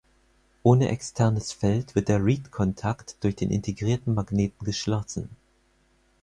Ohne externes Feld wird der Reed-Kontakt durch den integrierten Magneten geschlossen.